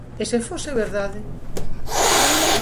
E se fose verdade?